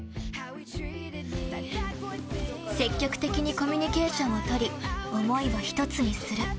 積極的にコミュニケーションを取り思いを一つにする。